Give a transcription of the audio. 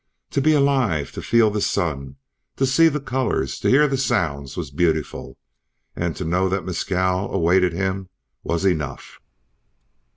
To be alive, to feel the sun, to see the colors, to hear the sounds, was beautiful; and to know that Mescal awaited him, was enough.